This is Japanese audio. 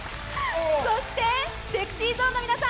そしてＳｅｘｙＺｏｎｅの皆さん